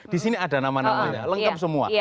disini ada nama nama ya lengkap semua